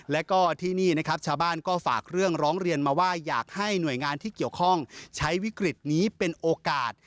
แล้วก็ที่นี่นะครับชาวบ้านก็ฝากเรื่องร้องเรียนมาว่าอยากให้หน่วยงานที่เกี่ยวข้องใช้วิกฤตนี้เป็นโอกาส